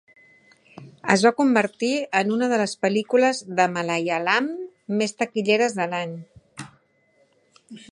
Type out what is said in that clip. Es va convertir en una de les pel·lícules de Malaialam més taquilleres de l'any.